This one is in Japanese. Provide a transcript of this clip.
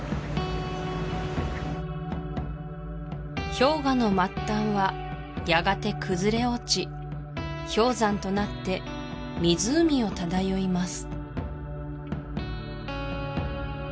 氷河の末端はやがて崩れ落ち氷山となって湖を漂います